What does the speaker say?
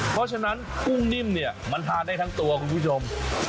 เพราะฉะนั้นกุ้งนิ่มเนี่ยมันทานได้ทั้งตัวคุณผู้ชม